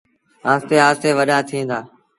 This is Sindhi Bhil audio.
آهستي آهستي وڏآ ٿئيٚݩ دآ۔